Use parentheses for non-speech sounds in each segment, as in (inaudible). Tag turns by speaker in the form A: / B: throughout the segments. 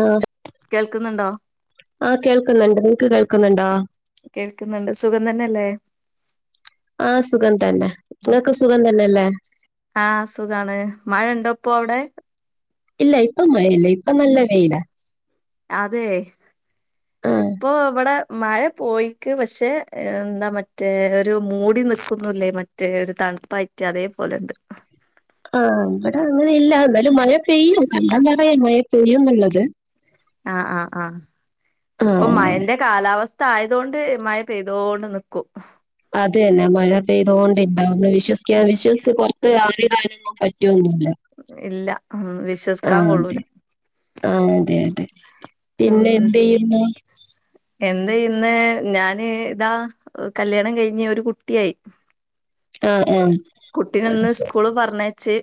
A: ആ
B: കേൾക്കുന്നുണ്ടോ
A: ആ കേൾക്കുന്നുണ്ട് നിൻക്ക് കേൾക്കുന്നുണ്ടോ
B: കേൾക്കുന്നുണ്ട് സുഖം തന്നെല്ലേ
A: ആഹ് സുഖം തന്നെ ഇങ്ങക്ക് സുഖം തന്നെല്ലേ
B: ആഹ് സുഖാണ് മഴണ്ടോ ഇപ്പോ അവിടെ
A: ഇല്ല ഇപ്പ മഴയില്ല ഇപ്പൊ നല്ല വെയിലാ
B: അതെ
A: ആഹ്
B: ഇപ്പൊ ഇവടെ മഴ പോയിക്ക് പക്ഷേ എന്താ മറ്റേ ഒരു മൂടി നിക്കുന്നില്ലേ മ റ്റേ ഒരു തൺപ്പായിട്ട് അതേപോലുണ്ട്
A: ആ ഇവടെ അങ്ങനെ ഇല്ല എന്നാലും മഴ പെയ്യും കണ്ടാലറിയാം മഴ പെയ്യുന്നുള്ളത്
B: ആ ആഹ് ആഹ്
A: ആഹ്
B: ഇപ്പൊ
A: അങ്ങനെ
B: മഴന്റെ കാലാവസ്ഥ ആയതോണ്ട് മഴ പെയ്തോണ്ട് നിക്കും
A: അത്തന്നെ മഴ പെയ്തോണ്ട് ഇൻണ്ടാവുമ്പോ വിശ്വസിക്കാ വിശ്ച്ച് കൊരച് അയറിടാനൊന്നും പറ്റൊന്നുല്ല
B: ഇല്ല വിശ്വസിക്കാ കൊള്ളൂല
A: ആ അതെ അതെ പിന്നെ എന്തെയ്യുന്നു
B: എന്തേ ഇന്ന് ഞാന് ഇതാ കല്യാണം കഴിഞ്ഞ് ഒരു കുട്ടിയായി
A: ആ ആഹ്
B: കുട്ടിനെ
A: അത്
B: ഇന്ന്
A: ശരി
B: സ്ക്കൂള് പറഞ്ഞയ് ച്ച്.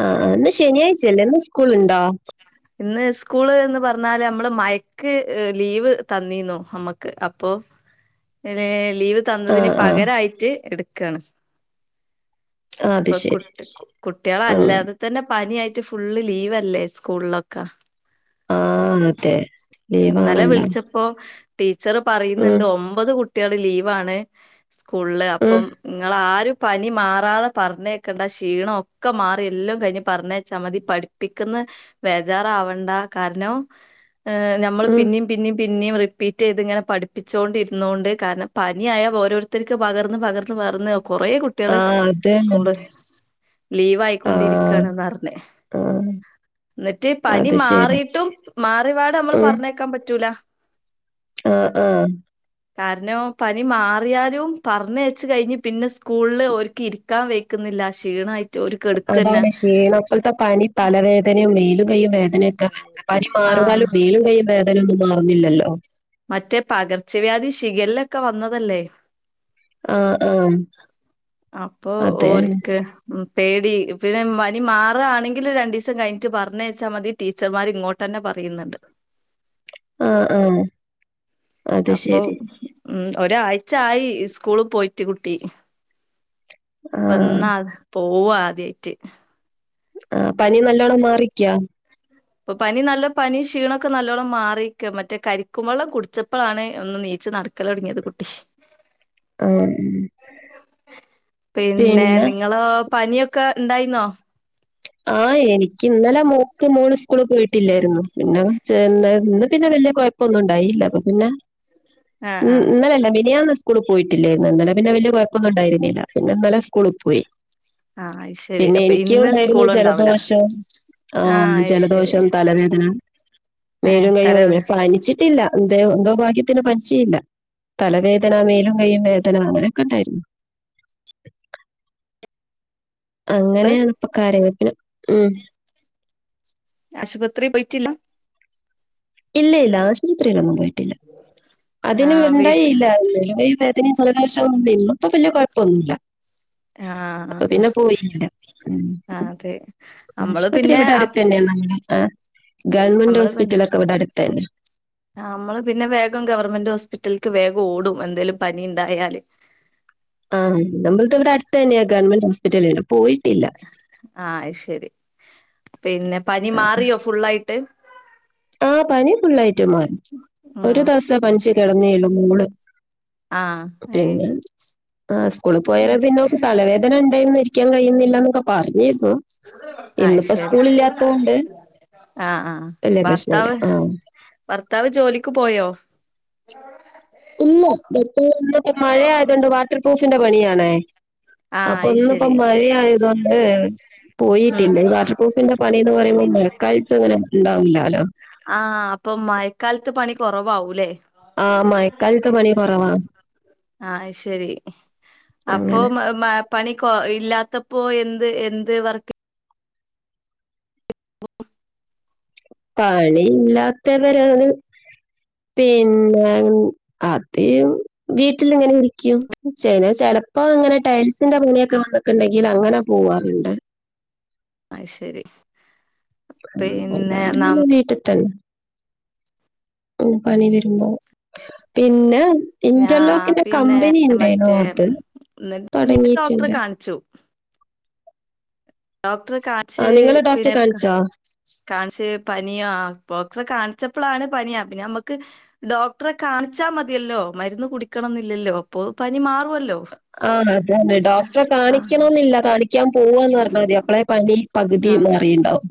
A: ആ ഇന്ന് ശനിയാഴ്ചയല്ലേ ഇന്ന് സ്കൂളുണ്ടോ?
B: ഇന്ന് സ്കൂള് എന്ന് പറഞ്ഞാല് നമ്മള് മയക്ക് ലീവ് തന്നിന്നു. നമ്മക്ക് ക്ക്‌ അപ്പൊ ലെ ലീവ് തന്നതിന്
A: ആഹ് ആഹ്
B: പകരായിട്ട് എടുക്കയാണ്.
A: അത്
B: ഇപ്പൊ
A: ശരി
B: കുട്ടി
A: അങ്ങനെ
B: കുട്ടിളല്ലതെ തന്നെ പനിയിട്ട് ഫുള്ള് ലീവലേ സ്കൂളിലൊക്കെ.
A: ആഹ് അതെ
B: ഇന്നലെ
A: ലീവാണല്ലോ
B: വിളിച്ചപ്പോ ടീച്ചറ്
A: ഉം
B: പറയുന്ന്ണ്ട് ഒമ്പത് കുട്ടിള് ലീവാണ് സ്കൂളില്
A: ഉം
B: അപ്പം ങ്ങളാരും പനി മാറാതെ. പറഞ്ഞയ്ക്കണ്ട ക്ഷീണം ഒക്കെ മാറി എല്ലും കഴിഞ്ഞ് പറഞ്ഞയ്ചാമതി പഠിപ്പിക്ക്ന്ന് വേജാറാവണ്ട. കാരണം ഞമ്മൾ
A: ഉം
B: പിന്നി പിന്നിം പിന്നിം റിപ്പീറ്റ്യ്ത് ഇങ്ങനെ പഠിപ്പിചോണ്ടിരുന്നോണ്ട് കാരണം പനിയായൽ ഓരോരു. ത്തിനിക്ക് പകർന്ന് പകർന്ന് പകർന്ന് കുറേ കുട്
A: ആഹ് അതന്നെ
B: സ്കൂള്
A: ആഹ്
B: ലീവായിക്കൊണ്ടിരിക്കാണ് ന്നാർഞ്ഞേ
A: ആഹ്
B: ന്നറ്റ് പനി
A: അത് ശരി
B: മാറിട്ടും മാറിപാട് മ്മള് പറഞ്ഞേയ്ക്കാൻ പറ്റൂല.
A: ആ ആഹ്
B: കാരണം. പനി മാറിയാലും പറഞ്ഞയ്ച്ച് കഴിഞ്ഞ് പിന്നെ സ്കൂളില് ഓരിക്ക് ഇരി ക്കാൻ വെയ്ക്കുന്നില്ല ക്ഷീണായിട്ട് ഓര് കെടക്കന്നെ.
A: ഇപ്പത്തെ പനി തലവേദനയും മേലുകൈയും വേദനയൊക്കെ പനി
B: ആഹ്
A: മാറുന്നാലും മേലുകൈയും വേദന നൊന്നും മാറുന്നില്ലല്ലോ.
B: മറ്റേ പകർച്ചവ്യാധി ശിഖല്ലക്കെ വന്നതല്ലേ.
A: ആഹ് ആഹ്
B: അപ്പൊ
A: അതന്നെ
B: ഓരിക്ക്. ഉം പേടി പിന്നെ മനി മാറാണെങ്കിൽ രണ്ടസം കഴിഞ്ഞട്ട് പറഞ്ഞയ്ച്ചാ മതി ടീച്ചർമാർ ഇങ്ങോ തന്നെ പറയുന്നുണ്ട്.
A: ആ ആഹ് അത്
B: അപ്പൊ
A: ശരി
B: ഉ ഒരാഴ്ച ആയി സ്കൂള് പോയിറ്റ് കുട്ടി
A: ആഹ്
B: പ്പംന്നാ പോവാ ആദ്യായിറ്റ്
A: ആ പനി നല്ലോണം മാറിക്ക്യാ
B: ഇപ്പൊ പനി നല്ല പനി ക്ഷീണൊക്കെ നല്ലോണം മാറിക്ക്‌ മറ്റേ കരിക്കുമ്പള്ളം കുടിച്ചപ്പളാണ് ഒന്ന് നീച്ച് നടക് ക്കലൊടങ്ങിയത് കുട്ടി.
A: ആഹ്
B: പിന്നെ നിങ്ങളോ പനിയൊക്കെ ഉണ്ടായിന്നോ?
A: ആഹ് എനിക്ക് ഇന്നലെ മോക്ക് മോള് സ്കൂള് പോയിട്ടില്ലായിരുന്നു പിന്നെ ചെന്ന് ഇന്ന് പിന്നെ വലിയകൊയപ് പ്പൊന്നും ഉണ്ടായില്ല. അപ്പ പിന്നെ
B: ആഹ് ആഹ്
A: ഇന്നലല്ല മിനിയാന്ന് സ്‌കൂ സ്കൂളിൽ പോയിട്ടില്ലന്ന് ഇന്നലെ പിന്നെ വലിയ കുഴപ്പൊന്നുംണ്ടായിരുന്നില്ല പിന്നെന്നല്ലെ സ്കൂളി പോയി.
B: ആഹ് ശരി
A: പിന്നെ
B: അപ്പൊ
A: എനിക്കും
B: ഇന്ന്
A: ഉണ്ടായിരുന്നു
B: സ്കൂൾ
A: ജലദോഷം. ആ
B: അയ്ശരി
A: ജലദോഷം' തലവേദന.
B: ഏഹ്
A: മേലും കൈയ്യും
B: തലവേ
A: വേദന പനിച്ചിട്ടില്ല എന്തോ എന്തോ ഭാഗ്യത്തിന് പനിച്ചീല്ല. തലവേദന മേലും കയ്യും വേദന അങ്ങനെയൊക്കെണ്ടായിരുന്നു.
B: ള്
A: അങ്ങനെയാണ് ഇപ്പൊ കാര്യങ്ങള് ഉം
B: ആശുപത്രിയിൽ പോയിറ്റില്ല
A: ഇല്ല ഇല്ല ആശുപത്രിയിലൊന്നും പോയിറ്റില്ല അതിന്
B: ആഹ് വീട്ട്
A: ഉണ്ടായില്ല മേലും കയ്യും വേദന.. പിന്നെ ജലദോഷം അങ്ങ് നിന്നു ഇപ്പോ വലിയ കുഴപ്പൊന്നുമില്ല
B: ആ അ
A: ഉം.
B: ആഹ് ആ അതെ നമ്മള്
A: ആശുപത്രി
B: പിന്നെ
A: ഇവിടെ
B: അ
A: അടുത്ത് തന്നെയാണ് നമ്മുടെ ആ ഗവൺമെന്റ് ഹോസ്പിറ്റലക്കെ ഇവിടെടുത്തന്നെ
B: ആ നമ്മള് പിന്നെ വേഗം ഗവൺമെന്റ് ഹോസ്പിറ്റൽക്ക് വേഗം ഓടും എന്തെലും പനിണ്ടായാല്.
A: ആഹ നമ്മളതിവിടെ അടുത്തന്നെയാ. ഗവൺമെന്റ് ഹോസ്പിറ്റലിൽ, പോയിട്ടില്ല.
B: ആ അയ്ശരി. പിന്നെ പനിമാറിയോ ഫുള്ളായിട്ട്.
A: ആ പനി ഫുള്ളായിട്ട് മാറി
B: ഉം
A: ഒരുദവസേ പനിച് കെടന്നെള്ളൂ മോള്
B: ആഹ് അയ്
A: പിന്നെ ആ സ്കൂളിൽ പോയേരം, പിന്നെ ഓൾക്ക് തലവേദന ഉണ്ടേർന്നിരി (unintelligible) ന്നൊക്കെ പറഞ്ഞീ.
B: അയ്ശരി. ആഹ ആഹ്
A: വല്യ പ്രശ്നല്ല.
B: ഭർത്താവ്,
A: ആഹ്
B: ഭർത്താവ് ജോലിക്ക് പോയോ
A: ഇല്ല ബെൽറ്റായൊണ്ട് ഇ മഴആയോണ്ട് വാട്ടർ പ്ര്രൂഫിന്റെ പണിയാണേ
B: ആഹ്
A: അപ്പൊ
B: അയ്
A: ന്നിപ്പോ
B: ശരി
A: മഴ ആയതൊണ്ട്
B: ഉം
A: പോയിട്ടില്ല. വാട്ടർപ്രൂഫിന്റെ പണി ന്ന് പറയുമ്പോൾ മഴക്കാലത്ത് ങ്ങനെ ണ്ടാവില്ലാലോ.
B: ആഹ അപ്പൊ മയക്കാലത്ത് പണി കുറവാവൂലേ
A: ആ മയക്കാലത്ത് പണി കൊറവാ.
B: ആഹ് അയ്ശരി
A: അങ്ങനെ.
B: അപ്പൊ മ ഹ് മ. പണി കൊ ഇല്ലാത്തപ്പോ എന്ത് എന്ത് വർക്ക്
A: പണിയില്ലാത്തവരാണ്. പിന്നെ അതീം. വീട്ടില ഇങ്ങനെ ഇരിക്കും. ചെലെ ചെലപ്പോ ഇങ്ങനെ ടൈൽസിന്റെ പണിയൊക്കെ വന്ന്. ണ്ടെങ്കില് അങ്ങനെ പോവാറുണ്ട്.
B: അയ്ശരി.
A: വല്ലാണ്ടിങ്ങനെ വീട്ടിതന്നെ. പണി വരുമ്പോ. പിന്നെ
B: ഞാ
A: ഇന്റർലോക്കിന്റെ
B: പിന്നെ മറ്റേ
A: കമ്പനിണ്ടായിരുന്നു. (unintelligible)
B: (unintelligible) ഡോക്ടറെ കാണിച്ചു. ഡോക്ടറെ
A: ആ
B: കാൺച്ച്
A: നിങ്ങള്
B: പിന്നെ
A: ഡോക്ടറെ
B: ക
A: കാണിച്ചോ
B: കാണിച്ച് പനിയാ (unintelligible) കാണിച്ചപ്പളാണ് പനിയാ. പിന്നെ ഞമ്മക്ക്, ഡോക്ടറെ കാണിച്ചാ മതിയല്ലോ. മരുന്ന് കുടിക്കണം ന്നില്ലല്ലോ. അപ്പൊ പനി മാറുവല്ലോ.
A: ആഹ് അതന്നെ ഡോക്ടറെ കാണിക്കണെന്നില്ല. കാണിക്കാൻ പോവാന്ന്റഞ്ഞാ മതി. അപ്പളെ പനി പകുതി
B: ആ
A: മാറിയുണ്ടാവും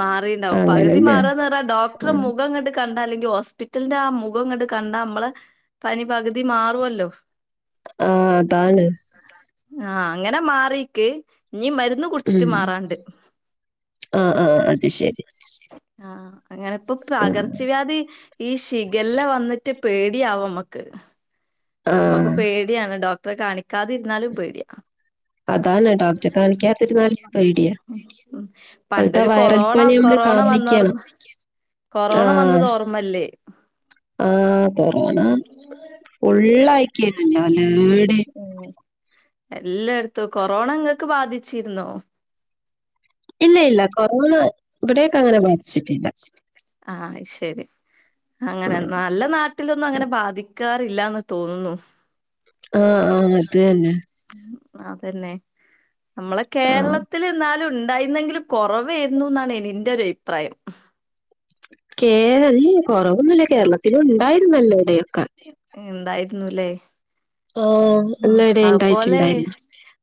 B: മാറിണ്ടാവും.
A: അങ്ങനെ
B: പകുതി
A: തന്നെ
B: മാറാന്ന് പറഞ്ഞ ഡോക്ടറെ മുഖം കണ്ട്, കണ്ടാ അല്ലെങ്കി, ഹോസ്പിറ്റലിന്റെ ആ മുഖം ഇങ്ങട് കണ്ടാ, നമ്മള് പനി പകുതി മാറുവല്ലോ.
A: ആ അതാണ്.
B: ആഹ അങ്ങനെ മാറീക്ക്. നി മരുന്ന് കുട്ച്ചിട്ട്
A: ഉം
B: മാറാണ്.
A: ആ ആഹ അത് ശെരി.
B: ആഹ് ആഹാ അങ്ങനെത്തെ പകർച്ചവ്യാധി, ഈഷിഗല്ല വന്നിട്ട് പേടിയാവമ്മക്ക് മ്മക്ക്
A: ആഹ്
B: പേടിയാണ് ഡോക്ടറെ കാണിക്കാതിരുന്നാലും പേടിയാ
A: അതാണ് ഡോക്ടറെ
B: (unintelligible)
A: കാണിക്കാതിരുന്നാലും പേടിയാ.
B: ഉം ഉം
A: ഇപ്പഴത്തെ
B: പണ്ടൊരു
A: വൈറൽ
B: കൊറോണ
A: പനി നമ്മള്
B: കൊറോണ വന്ന്.
A: കാണിക്കണം.
B: (inaudible) കൊറോണ വന്നത് ഓർമ്മല്ലേ?
A: ആ കൊറോണ ഫുള്ളായ്
B: (unintelligible) ഉം എല്ലായിടത്തും കൊറോണ ങ്ങക്ക് ബാധിച്ചിരുന്നോ?
A: ഇല്ല ഇല്ല കൊറോണ ഇവിടെക്കങ്ങനെ ബാധ്
B: ആഹ് അയ്ശരി.
A: ഉം
B: അങ്ങനെന്നാ, ള്ള നാട്ടിലൊന്നും അങ്ങനെ ബാധിക്കാറില്ലാന്ന് തോന്നുന്നു.
A: ആഹ ആഹ അത് ന്നെ
B: ആഹ് പിന്നെ മ്മളെ
A: ആഹ്.
B: കേരളത്തിൽ ന്നാലും ണ്ടായിന്നെങ്കിലും, കൊറേവേര്ന്ന്ന്നാണ് എനി ൻ്റെ ഒരയിപ്രായം
A: കേരൾ കൊറവൊന്നല്ല കേരളത്തിലും ണ്ടായിരുന്നല്ലോ ഏടെക്കെ
B: ഇണ്ടായിരുന്നുല്ലേ.
A: ആഹ്
B: ആഹ്
A: എല്ലാടെ
B: അഹ്പോലെ,
A: ഇണ്ടായിട്ടുണ്ടായിരുന്നു.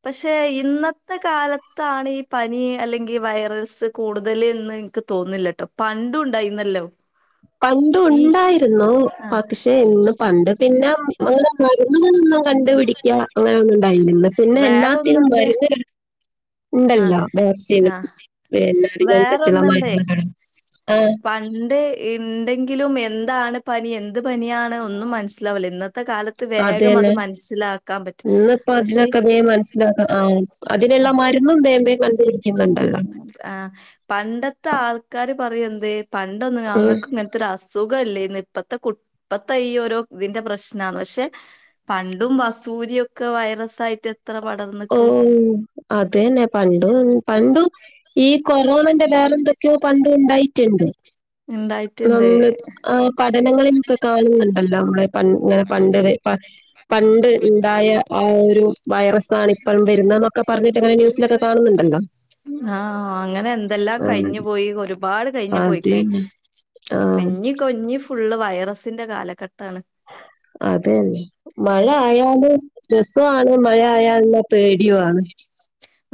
B: പക്ഷെ ഇന്നത്തെ കാലത്താണ് ഈ- പനി അല്ലെങ്കിൽ വൈറസ് കൂടുതൽ എന്ന് എനിക്ക് തോന്നുന്നു. തോന്നില്ലട്ടോ പണ്ടു ഉണ്ടായിന്നല്ലോ.
A: പണ്ടുണ്ടായിരുന്നു
B: ആഹ്
A: പ ക് ശ് ഇന്ന് പണ്ട് പിന്നെ അങ്ങനെ- മരുന്നുകൾ ഒന്നും, കണ്ടുപിടിക്യാ അങ്ങനെ ഒന്നുംണ്ടായില്യല്ലോ പിന്നെ എല്ലാത്തിലും വേൽങ്ങനൊരു.
B: ആഹാ ആഹാ
A: പിന്നെ അതിനനുസരിച്ചുള്ള
B: വെറോന്ന്ണ്ടേ.
A: മരുന്നുകളും ആ
B: പണ്ട്, എന്തെങ്കിലും എന്താണ് പനി, എന്ത് പനിയാണ് ഒന്നും മനസ്സിലാവില്ല ഇന്നത്തെ. കാലത്ത് വേഗം അത്
A: അതന്നെ
B: മനസ്സിലാക്കാൻ പറ്റും.
A: ഇന്ന്പ്പ
B: പക്ഷെ
A: അതിനൊക്കെ- മനസ്സിലാക്കാം ആഹാ അതിനുള്ള മരുന്നുണ്ടല്ലോ. ഇന്നും വേ വേ കണ്ടുപിടി
B: ആഹാ പണ്ടത്തെ ആൾക്കാര്- പറയോന്ത്‌ പണ്ടൊന്നും
A: ഉം.
B: ഞങ്ങൾക്ക് ഇങ്ങനെ, ത്രാ അസുഖല്ലേയിര്ന്ന് ഇപ്പത്തെ കു പത്തേ ഈ ഒരോ തിൻ്റെ പ്രശ്ന പക്ഷെ. പണ്ടും വസൂരിയൊക്കെ വൈറസ് ആയിട്ട്. ഇത്ര പടർന്ന്
A: ഓ അതന്നെ പണ്ട്. പണ്ടും ഈ കൊറോണന്റെ വേറെ എന്തൊക്കെ, പണ്ട് ഉണ്ടായിട്ടുണ്ട്.
B: എന്തായി.. !
A: നമ്മൾ അ പഠനങ്ങളിന്നെക്കെ കാണുന്നുണ്ടല്ലോ നമ്മൾ പൻ ഇങ്ങനെ പണ്ട് പ പണ്ട് ണ്ടായ ആ ഒരു വൈറസ് ആാണ് ഇപ്പം വരുന്ന ന്നൊക്കെ പറഞ്ഞിട്ട്ങ്ങനെ ന്യൂസിലൊക്കെ. കാണുന്നുണ്ടല്ലോ!
B: ആഹാ അങ്ങനെ എന്തെല്ലാം
A: ആ,
B: കഴിഞ്ഞു
A: അത്
B: പോയി, ഒരുപാട് കഴിഞ്ഞു
A: അത്
B: പോയിക്ക്.
A: തന്നെ ആ
B: പിന്നി കൊഞ്ഞി ഫുള്ള് വൈറസിന്റെ കാലഘട്ടാണ്.
A: അതെന്നെ. മഴ അയൽ രസോആണ് മഴ ആയ ല്ലപേടിയണ്.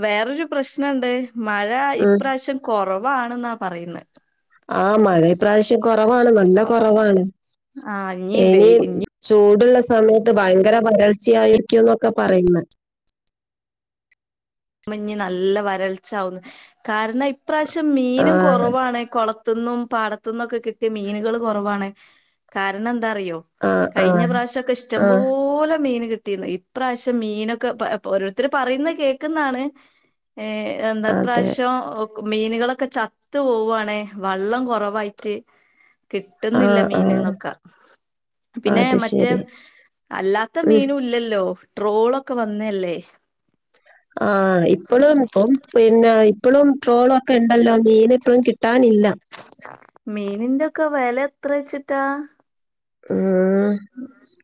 B: വേറൊരു പ്രശ്നണ്ട് മഴ
A: ഉം.
B: ഇപ്രാവശ്യം കുറവാാണ്ന്നാ പറയുന്ന.
A: ആഹാ മഴ പ്രാവശ്യം കുറവാണ് നല്ല- കുറവാണ്
B: ആഹ് ഇഞ്ഞി
A: ഇനി.
B: വെയ് ഇഞ്ഞി
A: ചൂടുള്ള സമയത്ത് ഭയങ്കര വരൾച്ചയായിരിക്കും ന്നൊക്കെ പറയുന്ന.
B: ഞ്ഞി നല്ല വരൾച്ചാവുന്ന് കാരണം ഇപ്രാവശ്യം മീനും
A: ആഹ്
B: കുറവാണ് കൊള കുളത്തിൽ നിന്നു, പാടത്തു നിന്നും, ഒക്കെ കിട്ടിയ മീനുകൾ കുറവാണ്. കാരണം എന്താഅറിയോ?
A: ആഹ്
B: കഴിഞ്ഞ
A: ആഹ്
B: പ്രവിശോയൊക്കെ-
A: ആഹ്
B: ഇഷ്ടംപോലെ മീൻ കിട്ടീന്ന്. പ്രാവശ്യം മീനൊക്കെ, ഓരോരുത്തർ പറയുന്ന കേക്കുന്നാണ്. ആഹാ എന്താ
A: അതെ.
B: പ്രാവശ്യം. മീനുകളൊക്കെ ചത്ത് പോവാണ് വള്ളം കൊറവയിട്ട് കിട്ടുന്നില്ല
A: ആഹ് ആഹ്
B: മീൻന്നൊക്കാ. പിന്നെ
A: അത്
B: മറ്റേ
A: ശരി.
B: അല്ലാത്ത
A: ഉം.
B: മീനും ഇല്ലല്ലോ. ട്രോൾ ഒക്കെ വന്നല്ലേ.
A: ആ ഇപ്പളും ഇപ്പം പിന്നെ യി. ഇപ്പളും ട്രോളൊക്കെണ്ടല്ലോ മീൻ ഇപ്പം കിട്ടാനില്ല.
B: മീനിന്റെക്കെ വില എത്ര വെച്ചിട്ടാ.
A: ആഹാ.. !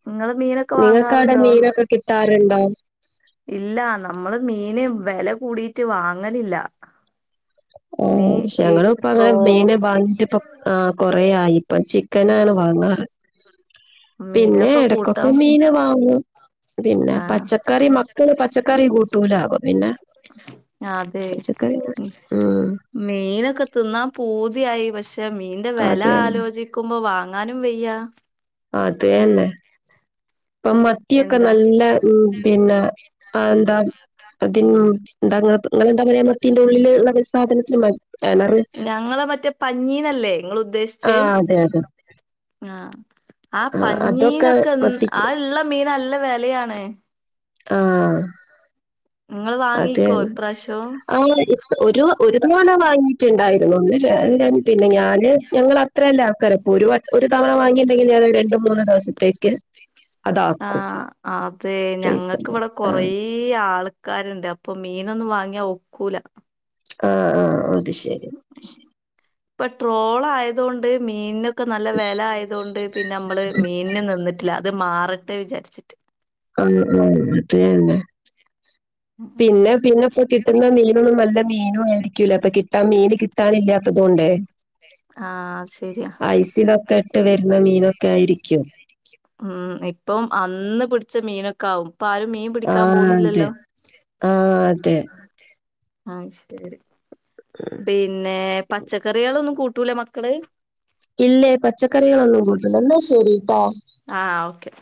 B: നിങ്ങള് മീനൊക്കെ വാങ്ങാറുണ്ടോ?
A: മീനൊക്കെ കിട്ടാറുണ്ടോ?
B: ഇല്ല നമ്മള് മീന് വെല കൂടിയിട്ട് വാങ്ങലില്ല.
A: ഓ..
B: ഇനി ഈ
A: ഞങ്ങൾ ഇപ്പോ
B: ട്രോ
A: അങ്ങനെ മീനെ വാങ്ങിയിട്ട്, ആഹാ കൊറയായി ഇപ്പ, ചിക്കനാണ് വാങ്ങാറ്. പിന്നെ
B: മീനൊക്കെ
A: എടക്കൊക്കെ
B: കൂട്ടാൻ
A: മീന് വാങ്ങു. പിന്നെ
B: ആഹ്
A: പച്ചക്കറി മക്കള് പച്ചക്കറി, കൂട്ടൂല അപ്പോ പിന്നെ.
B: ആഹാ അതേ.
A: പച്ചക്കറി ഉം
B: മീനൊക്കെ തിന്നാ പൂതിയായി പക്ഷെ മീന്റെ വെല
A: അത് തന്നെ
B: ആലോചി. ക്കുമ്പോ വാങ്ങാനും വയ്യ.
A: ആഹാ അതന്നെ, ഇപ്പ മത്തിയൊക്കെ
B: എന്താ
A: നല്ല. ഉം പിന്നെ അന്താ അതിനു എന്താങ്ങള് പ ഇങ്ങള് എന്താ പറയാ മത്തി സ്കൂളില് ളള പുസ്തത്തിന് ചിന് കിണറ്
B: ഞങ്ങള് മറ്റേ പഞ്ഞീനല്ലേ നിങ്ങള്
A: ആ
B: ഉദ്ദേശിച്ച്?
A: അതെ അതെ
B: ആഹ് ആ
A: അതൊക്കെ
B: പഞ്ഞീനൊക്കെ ന്ത്
A: മത്തിക്ക്
B: ആ ഉള്ള മീൻ നല്ല വിലയാണ്
A: ആഹ്
B: ഇങ്ങള്
A: അതെ
B: വാങ്ങിക്കോ ഇപ്രാവശ്യം
A: ഒരു ഒരു തവണ വാങ്ങിയിട്ടുണ്ടായിരുന്നു ഒന്നിന് പിന്നെ ഞാന് ഞങ്ങള് അത്രയല്ലേ ആൾക്കാര് ഒരു വട്ടം ഒരു തവണ വാങ്ങിണ്ടെങ്കിൽ ഞൾ രണ്ട്, മൂന്ന്, ദിവസത്തേക്ക്. അതാക്കും.
B: ആഹ് അതെ
A: ഫ്രീസർ
B: ഞങ്ങക്ക് ഇവിടെ കൊറേ
A: ആഹ്.
B: ഇ ആൾക്കാരുണ്ട് അപ്പൊ മീൻ ഒന്നും വാങ്ങിയാ ഒക്കൂല.
A: ആ ആ അത് ശരി
B: അപ്പൊ ശരി ഇപ്പൊ ട്രോൾ ആയതൊണ്ട് മീന് ക്കെ നല്ല
A: ആഹ്
B: വില ആയതുകൊണ്ട്
A: മീനിനൊക്കെ
B: പിന്നെ
A: ഭയങ്കര
B: മ്മള്
A: വെലയാ.
B: മീനിന് നിന്നിട്ടില്ല അത് മാറട്ടെ വിചാരിച്ചിട്ട്
A: ആ ആ അത് തന്നെ പിന്നെ പിന്നെ പ്പൊ കിട്ടുന്ന മീൻ ന്നും നല്ല മീനും ആയിരിക്കുല അപ്പൊ കിട്ടാൻ മീന് കിട്ടാനില്ലാത്തതുകൊണ്ടേ
B: ആഹ് അത് ശരിയാ
A: ഐസിലൊക്കെ ഇട്ട് വരുന്ന മീനൊക്കെ ആയിരിക്കും
B: ഉം ഇപ്പം അന്ന് പിടിച്ച മീനൊക്കെ ആവും ഇപ്പൊ ആരും മീൻ. പിടിക്കാൻ
A: ആഹ് അതെ.
B: പോകുന്നില്ലല്ലോ?
A: ആഹ് അതെ.
B: ആ ശരി പിന്നെ പച്ചക്കറികളൊന്നും കൂട്ടൂല മക്കള്?
A: ഇല്ലേ പച്ചക്കറികളൊന്നും കൂട്ടണ്ട എന്നാ ശരിട്ടാ
B: ആ ഓക്കെ.